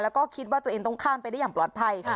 แล้วก็คิดว่าตัวเองต้องข้ามไปได้อย่างปลอดภัย